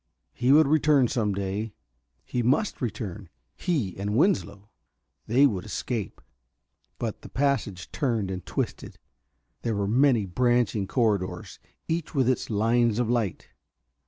He would return some day he must return he and Winslow. They would escape.... But the passage turned and twisted; there were many branching corridors, each with its lines of light.